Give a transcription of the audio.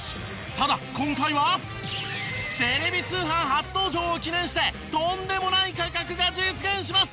ただ今回はテレビ通販初登場を記念してとんでもない価格が実現します。